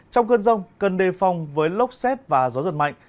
trong cơn rông cần đề phòng với lốc xét và gió giật mạnh